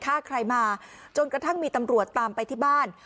ฆ่าใครมาจนกระทั่งมีตำรวจตามไปที่บ้าน